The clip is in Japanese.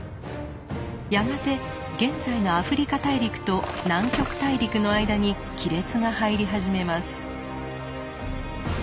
やがて現在のアフリカ大陸と南極大陸の間に亀裂が入り始めます。